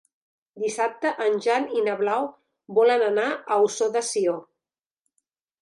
Dissabte en Jan i na Blau volen anar a Ossó de Sió.